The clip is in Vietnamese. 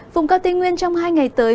vùng cao tây nguyên trong hai ngày tới